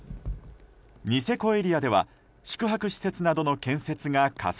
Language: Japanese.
ニセコエリアでは宿泊施設などの建設が加速。